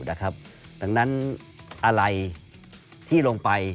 ดังนั้นอะไรที่ลงไป